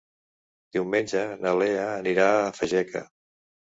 Diumenge na Lea anirà a Fageca.